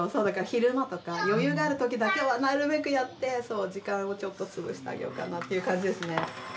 だから昼間とか余裕があるときだけはなるべくやって時間をちょっとつぶしてあげようかなっていう感じですね。